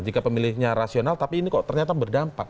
jika pemilihnya rasional tapi ini kok ternyata berdampak